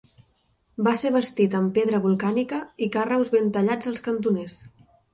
Va ser bastit amb pedra volcànica i carreus ben tallats als cantoners.